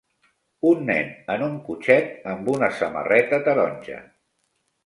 Un nen en un cotxet amb una samarreta taronja.